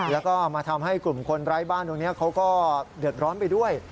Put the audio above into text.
แล้วก็มาทำให้กลุ่มคนไร้บ้านตรงนี้เขาก็เดือดร้อนไปด้วย